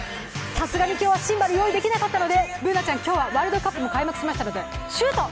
さすがに今日はシンバル用意できなかったのでＢｏｏｎａちゃん、今日はワールドカップも開幕しましたのでシュート！